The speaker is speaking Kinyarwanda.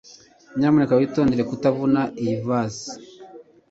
nyamuneka witondere kutavuna iyi vase